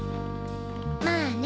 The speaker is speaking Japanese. まあね。